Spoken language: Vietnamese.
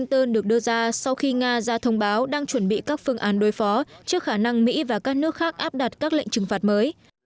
động thái của washington được đưa ra sau khi nga ra thông báo đang chuẩn bị các phương án đối phó trước khả năng mỹ và các nước khác áp đặt các lệnh trừng phạt mới